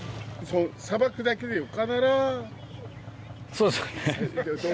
そうですよね。